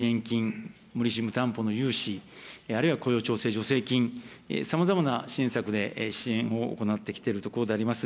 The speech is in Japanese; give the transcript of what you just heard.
私ども、協力金やあるいは支援金、無利子無担保の融資、あるいは雇用調整助成金、さまざまな支援策で支援を行ってきているところであります。